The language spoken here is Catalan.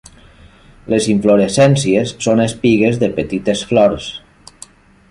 Les inflorescències són espigues de petites flors.